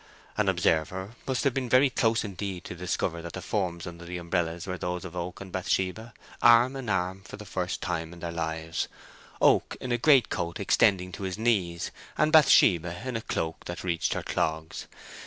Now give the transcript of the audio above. An observer must have been very close indeed to discover that the forms under the umbrellas were those of Oak and Bathsheba, arm in arm for the first time in their lives, Oak in a greatcoat extending to his knees, and Bathsheba in a cloak that reached her clogs.